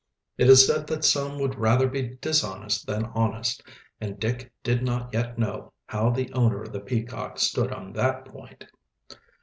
It is said that some would rather be dishonest than honest, and Dick did not yet know how the owner of the Peacock stood on that point.